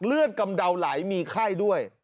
เลือดกำเดาไหลมีไข้ด้วย